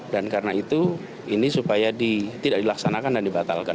dan karena itu ini supaya tidak dilaksanakan dan dibatalkan